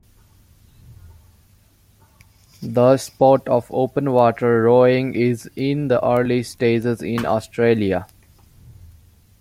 The sport of open water rowing is in the early stages in Australia.